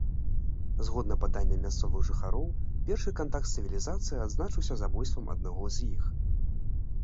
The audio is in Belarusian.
Згодна паданням мясцовых жыхароў, першы кантакт з цывілізацыяй адзначыўся забойствам аднаго з іх.